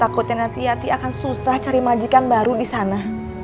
takutnya nanti yati akan susah cari majikan baru di sana